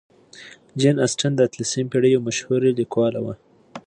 جین اسټن د اتلسمې پېړۍ یو مشهورې لیکواله وه.